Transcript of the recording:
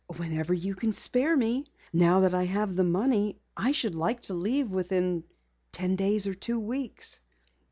"Whenever you can spare me. Now that I have the money, I should like to leave within ten days or two weeks."